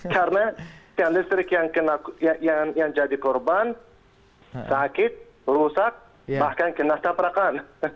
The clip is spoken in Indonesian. karena tian listrik yang jadi korban sakit rusak bahkan kena taprakan